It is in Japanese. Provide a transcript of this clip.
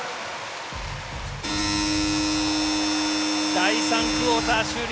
第３クオーター終了。